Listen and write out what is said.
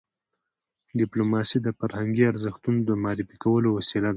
ډيپلوماسي د فرهنګي ارزښتونو د معرفي کولو وسیله ده.